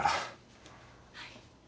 はい。